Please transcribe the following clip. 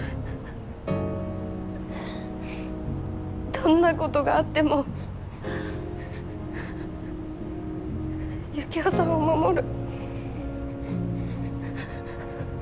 どんなことがあってもユキオさんを守る。